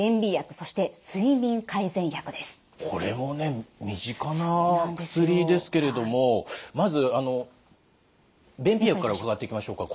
これもね身近な薬ですけれどもまず便秘薬から伺っていきましょうか。